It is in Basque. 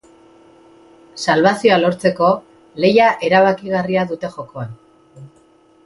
Salbazioa lortzeko lehia erabakigarria dute jokoan.